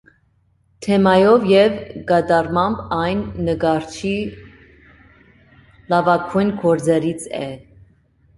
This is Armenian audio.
Թեմայով և կատարմամբ այն նկարչի լավագույն գործերից է։